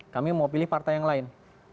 kami mau pilih partai yang lain